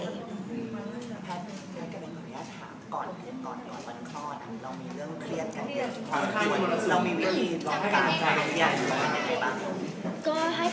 พร้อมกันบีกันไปละ